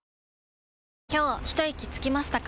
今日ひといきつきましたか？